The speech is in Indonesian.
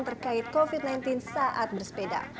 terkait covid sembilan belas saat bersepeda